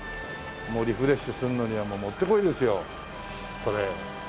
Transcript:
もうリフレッシュするのにはもってこいですよこれ。